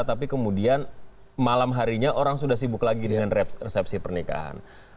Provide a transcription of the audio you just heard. tapi kemudian malam harinya orang sudah sibuk lagi dengan resepsi pernikahan